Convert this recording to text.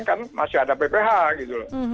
kan masih ada pph gitu loh